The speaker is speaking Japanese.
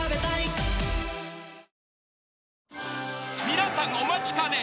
［皆さんお待ちかね。